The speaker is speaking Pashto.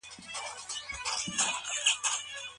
روایت دی چي پیغمبر د عدالت امر کاوه.